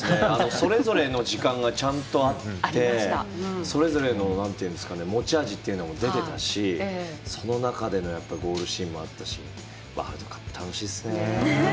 それぞれの時間がちゃんとあってそれぞれの持ち味も出てたし、その中でのゴールシーンもあったしワールドカップ、楽しいですね！